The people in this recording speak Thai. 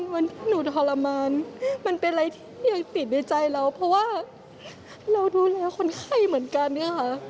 วันที่หนูทรมานมันเป็นอะไรที่ยังติดในใจเราเพราะว่าเราดูแลคนไข้เหมือนกันนะคะ